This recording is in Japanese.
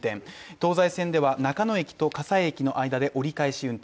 東西線では中野駅と葛西駅の間で折り返し運転。